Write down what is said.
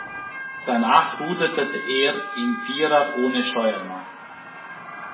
Danach ruderte er im Vierer ohne Steuermann.